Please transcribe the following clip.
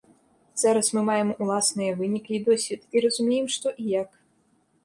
Зараз мы маем уласныя вынікі і досвед, і разумеем, што і як.